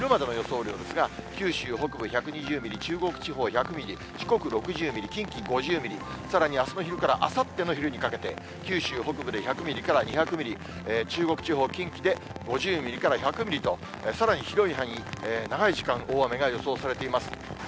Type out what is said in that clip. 雨量ですが、九州北部１２０ミリ、中国地方１００ミリ、四国６０ミリ、近畿５０ミリ、さらにあすの昼からあさっての昼にかけて、九州北部で１００ミリから２００ミリ、中国地方、近畿で５０ミリから１００ミリと、さらに広い範囲に長い時間、大雨が予想されています。